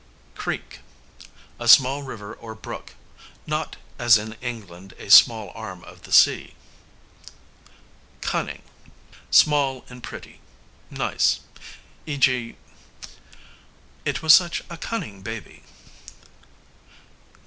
Creek, a small river or brook; not, as in England, a small arm of the sea. Cunning, small and pretty, nice, e.g. 'It was such a cunning baby'.